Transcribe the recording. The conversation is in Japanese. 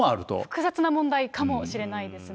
複雑な問題かもしれないですね。